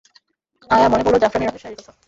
আয়ার মনে পড়ল জাফরানী রঙের শাড়ির কথা।